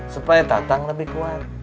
supaya tatang lebih kuat